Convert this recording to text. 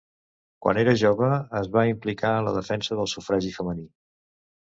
Quan era jove, es va implicar en la defensa del sufragi femení.